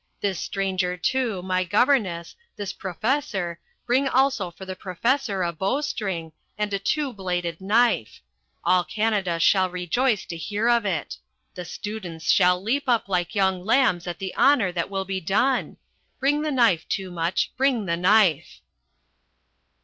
This stranger, too, my governess, this professor, bring also for the professor a bowstring, and a two bladed knife! All Canada shall rejoice to hear of it. The students shall leap up like young lambs at the honour that will be done. Bring the knife, Toomuch; bring the knife!"